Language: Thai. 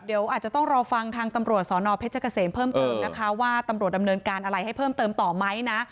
เดี๋ยวอาจจะต้องรอฟังทางตำรวจสนเพชรเกษมเพิ่มเติมนะคะว่าตำรวจดำเนินการอะไรให้เพิ่มเติมต่อไหมนะ